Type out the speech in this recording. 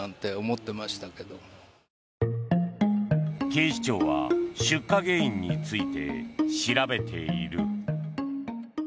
警視庁は出火原因について調べている。